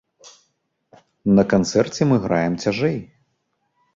На канцэрце мы граем цяжэй.